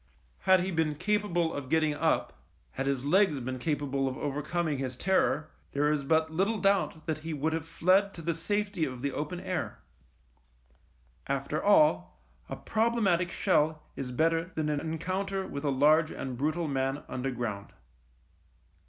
Had he been capable of getting up, had his legs been capable of overcoming his terror, there is but little doubt that he would have fled to the safety of the open air. After all, a problematic shell is better than an encounter with a large and brutal man underground.